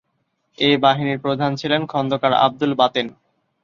এ বাহিনীর প্রধান ছিলেন খন্দকার আবদুল বাতেন।